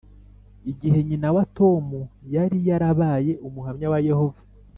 igihe nyina wa Tom yari yarabaye Umuhamya wa Yehova